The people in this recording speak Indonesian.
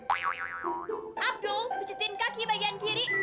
abdo pucetin kaki bagian kiri